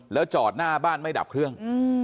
แล้วจอดหน้าบ้านไม่ดับเครื่อง